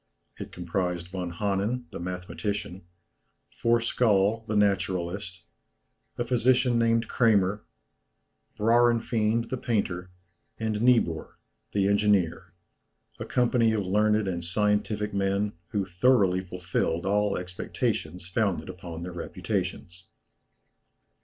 It comprised Von Hannen, the mathematician, Forskaal, the naturalist, a physician named Cramer, Braurenfeind, the painter, and Niebuhr, the engineer, a company of learned and scientific men, who thoroughly fulfilled all expectations founded upon their reputations.